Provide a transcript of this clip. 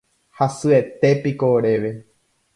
Hasyetépiko oréve